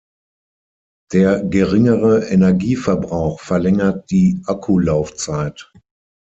Der geringere Energieverbrauch verlängert die Akkulaufzeit.